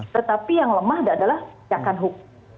tetapi yang lemah adalah tindakan hukum